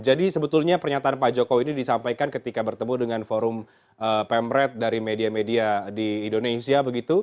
jadi sebetulnya pernyataan pak jokowi ini disampaikan ketika bertemu dengan forum pemret dari media media di indonesia